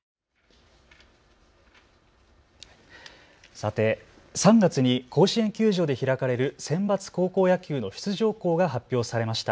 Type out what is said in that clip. さて、３月に甲子園球場で開かれるセンバツ高校野球の出場校が発表されました。